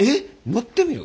乗ってみる？